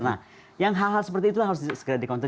nah yang hal hal seperti itu harus segera di counter